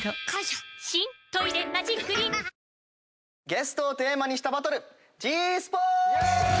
ゲストをテーマにしたバトルｇスポーツ！